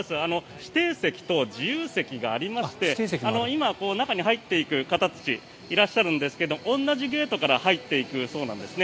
指定席と自由席がありまして今、中に入っていく方たちいらっしゃるんですけれど同じゲートから入っていくそうなんですね。